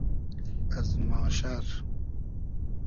از ماشئر